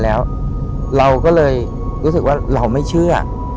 แล้วเราก็เลยรู้สึกว่าเราไม่เชื่อ